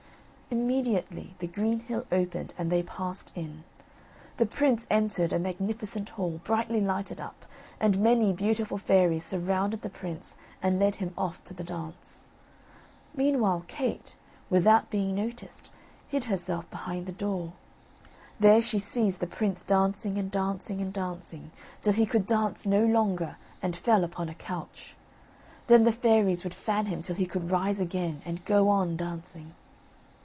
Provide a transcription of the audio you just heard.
Immediately the green hill opened and they passed in. The prince entered a magnificent hall, brightly lighted up, and many beautiful fairies surrounded the prince and led him off to the dance. Meanwhile, Kate, without being noticed, hid herself behind the door. There she sees the prince dancing, and dancing, and dancing, till he could dance no longer and fell upon a couch. Then the fairies would fan him till he could rise again and go on dancing.